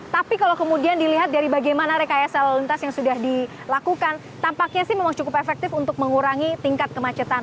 tapi kalau kemudian dilihat dari bagaimana rekayasa lalu lintas yang sudah dilakukan tampaknya sih memang cukup efektif untuk mengurangi tingkat kemacetan